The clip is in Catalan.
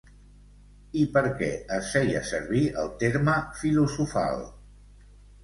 I per què es feia servir el terme “filosofal”?